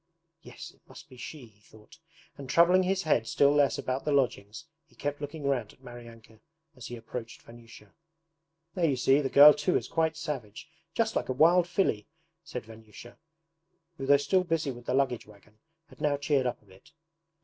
'Yes, it must be SHE,' he thought, and troubling his head still less about the lodgings, he kept looking round at Maryanka as he approached Vanyusha. 'There you see, the girl too is quite savage, just like a wild filly!' said Vanyusha, who though still busy with the luggage wagon had now cheered up a bit.